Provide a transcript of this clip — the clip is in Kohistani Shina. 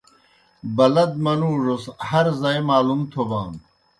بَلَد منُوڙوْس ہر زائی معلوم تھوبانوْ۔